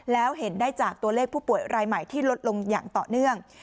แล้วเห็นได้จากตัวเลขผู้ป่วยรายใหม่ที่ลดลงอย่างต่อเนื่อง